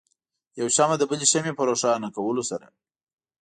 یو شمع د بلې شمعې په روښانه کولو سره.